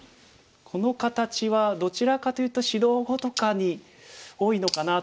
この形はどちらかというと指導碁とかに多いのかなと思いました。